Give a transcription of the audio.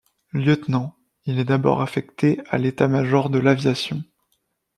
Lieutenant, il est d'abord affecté à l'état-major de l'aviation.